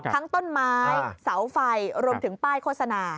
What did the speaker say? ทั้งต้นไม้เสาไฟรวมถึงป้ายโฆษณา